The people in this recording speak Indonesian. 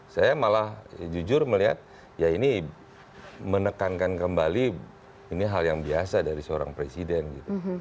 saya malah jujur melihat ya ini menekankan kembali ini hal yang biasa dari seorang presiden gitu